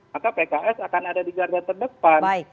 maka pks akan ada di garda terdepan